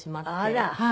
あら！